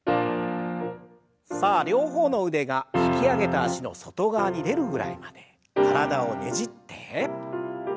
さあ両方の腕が引き上げた脚の外側に出るぐらいまで体をねじって。